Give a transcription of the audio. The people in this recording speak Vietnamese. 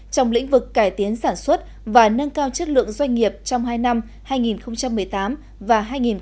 trong lĩnh vực cải tiến sản xuất và nâng cao chất lượng doanh nghiệp trong hai năm hai nghìn một mươi tám và hai nghìn một mươi chín